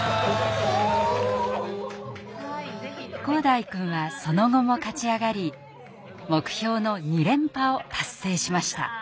紘大くんはその後も勝ち上がり目標の２連覇を達成しました。